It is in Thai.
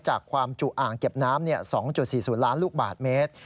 จากความจุอ่างเก็บน้ำ๒๔๐ล้านลูกบาทเมตร